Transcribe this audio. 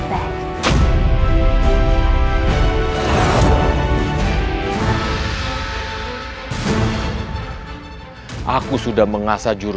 jika aku masih menggunakannya